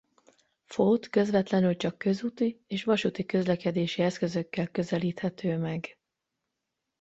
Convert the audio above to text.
Fót közvetlenül csak közúti és vasúti közlekedési eszközökkel közelíthető meg.